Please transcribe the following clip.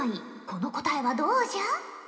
この答えはどうじゃ？